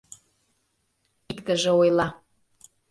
Иктыже ойла: